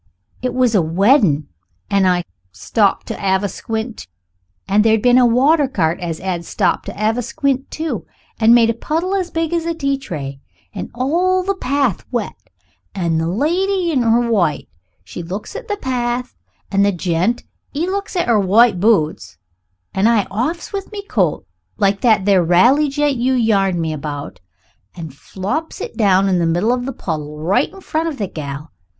It was a wedding, and I stopped to 'ave a squint, and there'd been a water cart as 'ad stopped to 'ave a squint too, and made a puddle as big as a tea tray, and all the path wet. An' the lady in her white, she looks at the path and the gent 'e looks at 'er white boots an' I off's with me coat like that there Rally gent you yarned me about, and flops it down in the middle of the puddle, right in front of the gal.